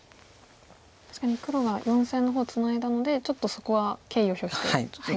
確かに黒は４線の方ツナいだのでちょっとそこは敬意を表して。